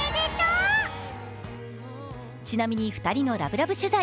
ちなみに、２人のラブラブ取材。